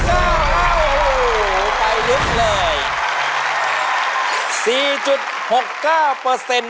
โอ้โหไปลึกเลย